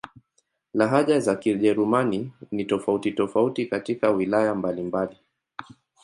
Lahaja za Kijerumani ni tofauti-tofauti katika wilaya mbalimbali.